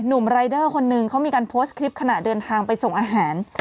ุ่มรายเดอร์คนนึงเขามีการโพสต์คลิปขณะเดินทางไปส่งอาหาร